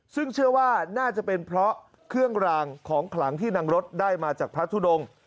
ซึ่งเชื่อว่าน่าจะเป็นเพราะเครื่องรางของขลังที่นางรถได้มาจากพระทุดง